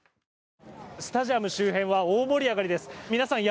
スタジアム周辺は大盛り上がりです。